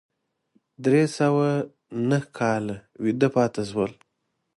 درې سوه نهه کاله ویده پاتې شول.